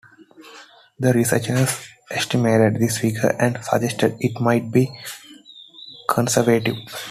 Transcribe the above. The researchers estimated this figure and suggested it might be conservative.